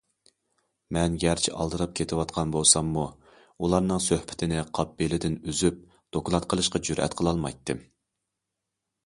مەن گەرچە ئالدىراپ كېتىۋاتقان بولساممۇ ئۇلارنىڭ سۆھبىتىنى قاپ بېلىدىن ئۈزۈپ دوكلات قىلىشقا جۈرئەت قىلالمايتتىم.